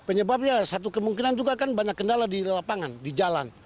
penyebabnya satu kemungkinan juga kan banyak kendala di lapangan di jalan